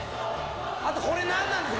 あとこれ何なんですか？